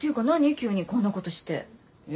急にこんなことして。え？